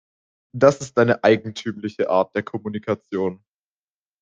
Das ist eine eigentümliche Art der Kommunikation.